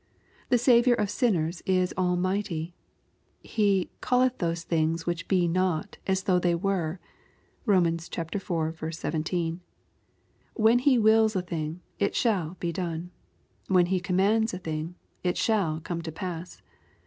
The Saviour of sinners is Almighty. He " calleth those things which be not as though they were.'* (Rom. iv. 17.) When He wills a thing, it shall be done. When He commands a thing, it shall come to pass.